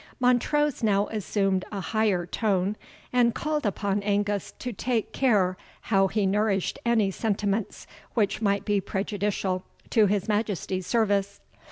Montrose now assumed a higher tone, and called upon Angus to take care how he nourished any sentiments which might be prejudicial to his Majesty's service.